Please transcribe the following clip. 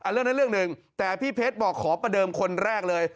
เรื่องนั้นเรื่องหนึ่งแต่พี่เพชรบอกขอประเดิมคนแรกเลย